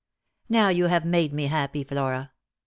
"" Now you have made me happy, Flora.